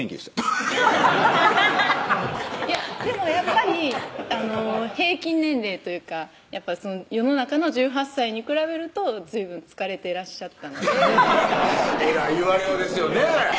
やっぱり平均年齢というか世の中の１８歳に比べるとずいぶん疲れてらっしゃったのでえらい言われようですよねぇ